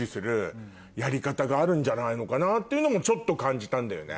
んじゃないのかなっていうのもちょっと感じたんだよね。